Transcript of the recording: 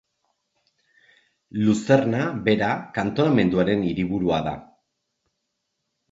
Luzerna bera kantonamenduaren hiriburua da.